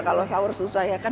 kalau sahur susah ya kan